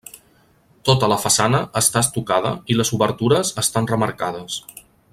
Tota la façana està estucada i les obertures estan remarcades.